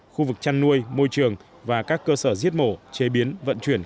khu vực chăn nuôi môi trường và các cơ sở giết mổ chế biến vận chuyển